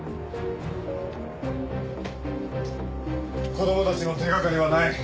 子供たちの手掛かりはない。